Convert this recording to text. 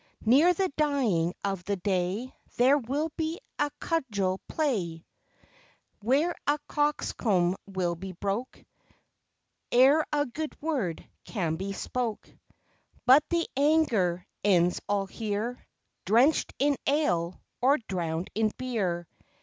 Near the dying of the day There will be a cudgel play, Where a coxcomb will be broke, Ere a good word can be spoke: But the anger ends all here, Drench'd in ale, or drown'd in beer.